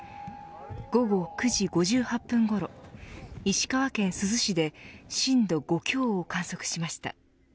午後９時５８分ごろ石川県珠洲市で震度５強を観測しました。